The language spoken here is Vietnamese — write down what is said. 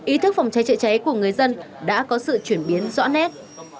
ý thức phòng cháy chữa cháy của người dân đã có sự chuyển biến rõ nét